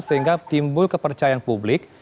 sehingga timbul kepercayaan publik